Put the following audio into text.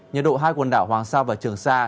nhiệt độ hai quần đảo hoàng sa và trường sa